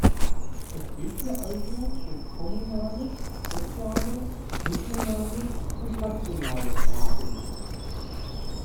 Es geht hier also um kommunale, soziale, regionale und nationale Fragen.